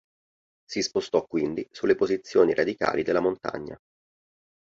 Si spostò quindi sulle posizioni radicali della Montagna.